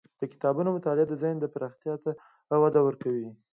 د کتابونو مطالعه د ذهن پراختیا ته وده ورکوي.